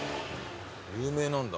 有名なんだ。